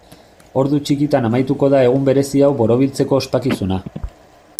Ordu txikitan amaituko da egun berezi hau borobiltzeko ospakizuna.